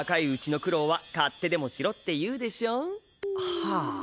はあ。